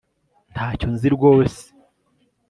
Ntacyo nzi rwose